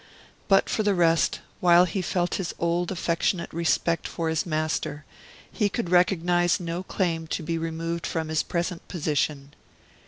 But for the rest, while he felt his old affectionate respect for his master, he could recognize no claim to be removed from his present position.